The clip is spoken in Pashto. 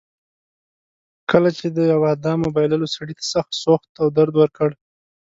کله چې د بادامو بایللو سړي ته سخت سوخت او درد ورکړ.